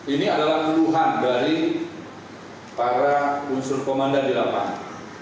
ini adalah keluhan dari para unsur komandan di lapangan